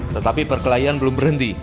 tetapi perkelahian belum berhenti